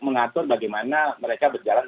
mengatur bagaimana mereka berjalan